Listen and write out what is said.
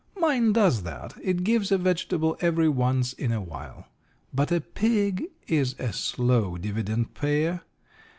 Mine does that it gives a vegetable every once in awhile. But a pig is a slow dividend payer.